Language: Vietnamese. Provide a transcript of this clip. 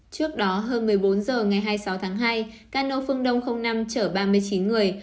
trước đó hơn một mươi bốn h ngày hai mươi sáu tháng hai cano phương đông năm chở ba mươi chín người